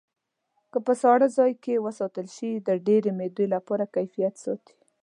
که په ساړه ځای کې وساتل شي د ډېرې مودې لپاره کیفیت ساتي.